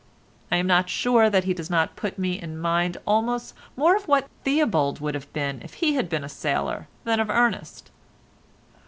I am not sure that he does not put me in mind almost more of what Theobald would have been if he had been a sailor, than of Ernest.